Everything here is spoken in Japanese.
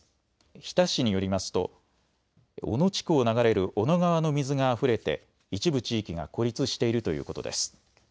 日田市によりますと小野地区を流れる小野川の水があふれて一部地域が孤立しているということです。